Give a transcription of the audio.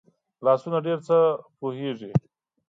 لاسونه ډېر څه پوهېږي